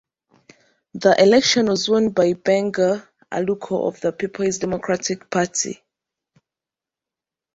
The election was won by Gbenga Aluko of the Peoples Democratic Party.